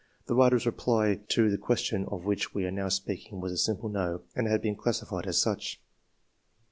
The writer's reply to the question of which we are now speaking was a simple " no/' and has been classified as such.